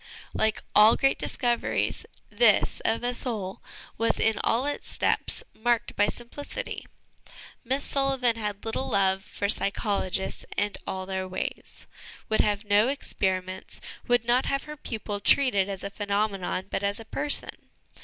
Like all great discoveries, this, of a soul, was, in all its steps, marked by simplicity. Miss Sullivan had little love for psychologists and all their ways ; would have no experiments ; would not have her pupil treated as a phenomenon, but as a person.